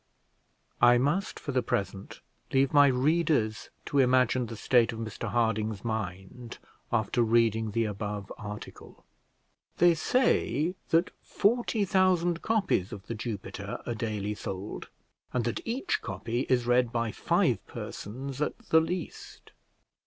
I must for the present leave my readers to imagine the state of Mr Harding's mind after reading the above article. They say that forty thousand copies of The Jupiter are daily sold, and that each copy is read by five persons at the least.